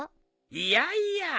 いやいや。